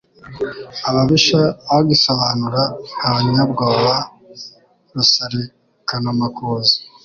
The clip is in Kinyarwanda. Ababisha bagisobanura abanyabwoba rusarikanamakuza